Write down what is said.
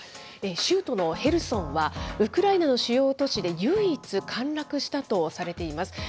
州都のヘルソンは、ウクライナの主要都市で唯一、陥落したとされています。